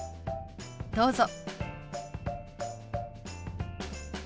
どうぞ。